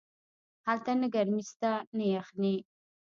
هلته نه گرمي سته نه يخني.